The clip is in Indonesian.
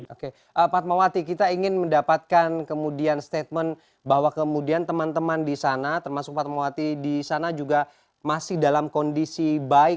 oke pak fatmawati kita ingin mendapatkan kemudian statement bahwa kemudian teman teman di sana termasuk fatmawati di sana juga masih dalam kondisi baik